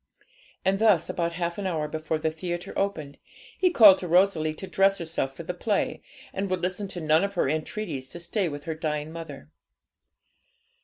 And thus, about half an hour before the theatre opened, he called to Rosalie to dress herself for the play, and would listen to none of her entreaties to stay with her dying mother.